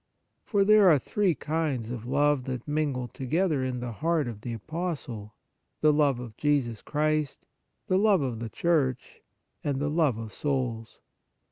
For there are three kinds of love that mingle together in the heart of the apostle : the love of Jesus Christ, the love of the Church, and the love of souls.